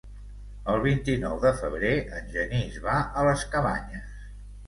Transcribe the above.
El vint-i-nou de febrer en Genís va a les Cabanyes.